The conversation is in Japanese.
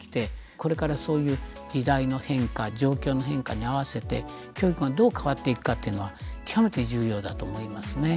これからそういう時代の変化状況の変化に合わせて教育がどう変わっていくかっていうのは極めて重要だと思いますね。